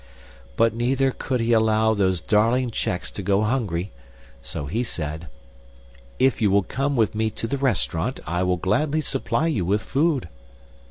But neither could he allow those darling checks to go hungry; so he said: "If you will come with me to the restaurant, I will gladly supply you with food."